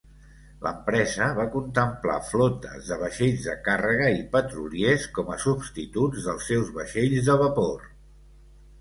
L'empresa va contemplar flotes de vaixells de càrrega i petroliers com a substituts dels seus vaixells de vapor.